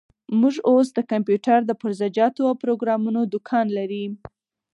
موږ اوس د کمپيوټر د پرزه جاتو او پروګرامونو دوکان لري.